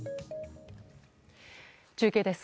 中継です。